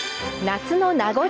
夏の名残